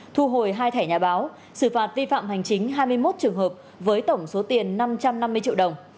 thu hồi hai thẻ nhà báo xử phạt vi phạm hành chính hai mươi một trường hợp với tổng số tiền năm trăm năm mươi triệu đồng